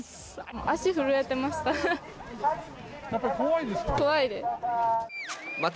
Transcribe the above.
足震えてました。